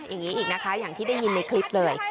อย่างนี้อีกนะคะอย่างที่ได้ยินในคลิปเลย